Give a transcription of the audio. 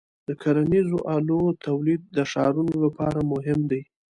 د کرنیزو آلو تولید د ښارونو لپاره مهم دی.